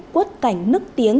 quốc cảnh nước tiếng